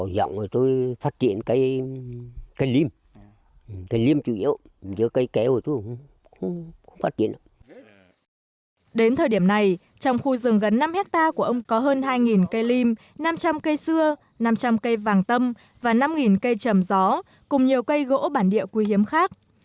đến thời điểm này trong khu rừng gần năm hectare của ông có hơn hai cây lim năm trăm linh cây xưa năm trăm linh cây vàng tâm và năm cây trầm gió cùng nhiều cây gỗ bản địa quý hiếm khác